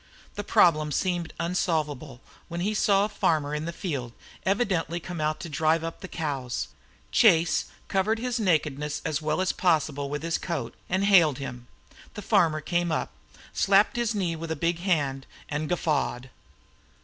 The problem seemed unsolvable, when he saw a farmer in the field, evidently come out to drive up the cows. Chase covered his nakedness as well as possible with his coat, and hailed him. The farmer came up, slapped his knee with a big hand, and guffawed.